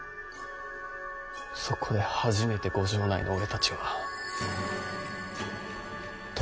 そこで初めて御城内の俺たちは鳥羽伏見で。